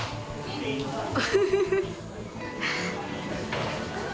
フフフフッ！